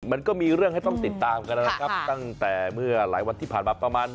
มันก็มีเรื่องให้ต้องติดตามกันนะครับตั้งแต่เมื่อหลายวันที่ผ่านมาประมาณ